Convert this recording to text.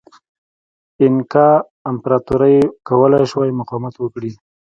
اینکا امپراتورۍ کولای شوای مقاومت وکړي.